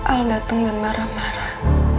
al datang dan marah marah